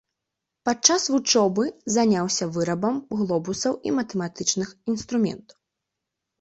Падчас вучобы заняўся вырабам глобусаў і матэматычных інструментаў.